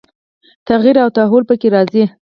تغییر او تحول به په کې راځي.